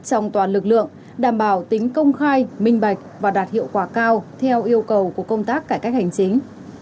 trong toàn lực lượng đảm bảo tính công khai minh bạch và đạt hiệu quả cao theo yêu cầu của công tác cải cách hành chính